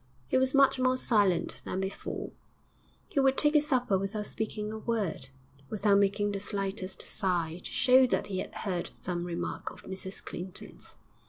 He was much more silent than before; he would take his supper without speaking a word, without making the slightest sign to show that he had heard some remark of Mrs Clinton's.